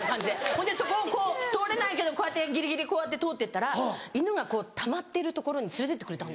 そんでそこを通れないけどぎりぎりこうやって通ってったら犬がこうたまってる所につれて行ってくれたんですよ。